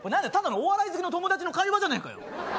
ただのお笑い好きの友達の会話じゃねえか。